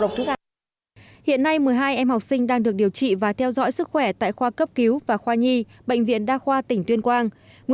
nguyên nhân ban đầu đối với bệnh viện đa khoa tỉnh tuyên quang